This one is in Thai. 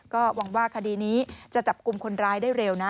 ก็หวังว่าคดีนี้จะจับกลุ่มคนร้ายได้เร็วนะ